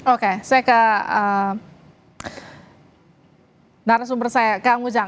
oke saya ke narasumber saya kak ngujang